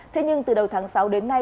thế nhưng từ đầu tháng sáu đến nay